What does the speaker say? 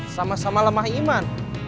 sama sama lemah iman